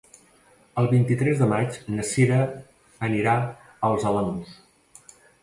El vint-i-tres de maig na Cira anirà als Alamús.